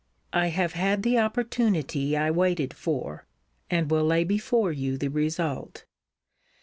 I have had the opportunity I waited for; and will lay before you the result.